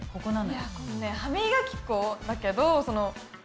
いやこのね歯みがき粉だけどない。